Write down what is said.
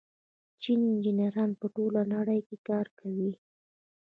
چیني انجنیران په ټوله نړۍ کې کار کوي.